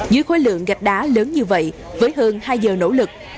dưới khối lượng gạch đá lớn như vậy với hơn hai giờ nỗ lực